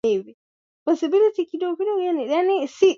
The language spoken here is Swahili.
eneo za sudan ya magharibi darfur